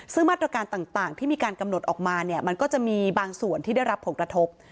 ซึ่งมาตรการต่างที่มีการกำหนดออกมาเนี่ยมันก็จะมีบางส่วนที่ได้รับผลกระทบ